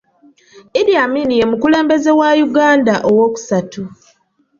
Idi Amin ye mukulembeze wa Uganda owokusatu.